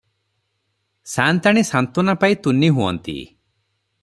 ସାଆନ୍ତାଣୀ ସାନ୍ତ୍ୱନାପାଇ ତୁନି ହୁଅନ୍ତି ।